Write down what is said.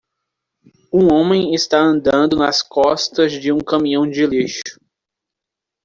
Um homem está andando nas costas de um caminhão de lixo.